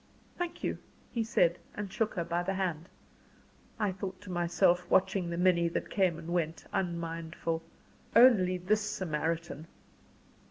"Thank you," he said, and shook her by the hand. I thought to myself, watching the many that came and went, unmindful, "ONLY THIS SAMARITAN!"